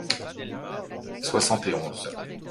soixante-et-onze